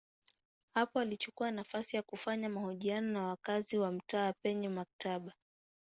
Hapa alichukua nafasi ya kufanya mahojiano na wakazi wa mtaa penye maktaba.